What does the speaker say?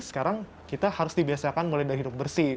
sekarang kita harus dibiasakan mulai dari hidup bersih